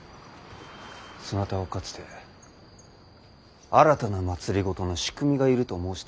そなたはかつて新たな政の仕組みがいると申しておられたな。